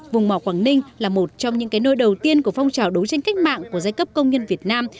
vùng mỏ quảng ninh là một trong những nơi đầu tiên của phong trào đấu tranh cách mạng của giai cấp công nhân việt nam